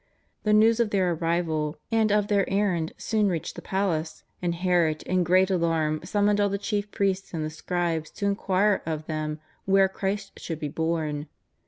The news of their arrival and of their errand soon 79 80 JESUS OF NAZARETH. reached the palace, and Herod in great alarm summoned all the chief priests and the scribes to enquire of them where Christ should be born.